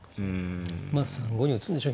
まあ３五に打つんでしょ。